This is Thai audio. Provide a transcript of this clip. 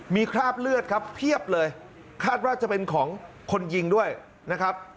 มีคราบเลือดครับเพียบเลยคาดว่าจะเป็นของคนยิงด้วยนะครับ